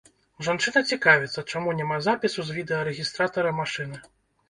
Жанчына цікавіцца, чаму няма запісу з відэарэгістратара машыны.